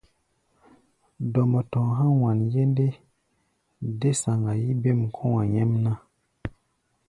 Dɔmɔ tɔ̧ɔ̧ há̧ wanye ndé, dé saŋa-yí bêm kɔ̧́-a̧ nyɛ́mná.